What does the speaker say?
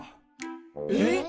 えっ？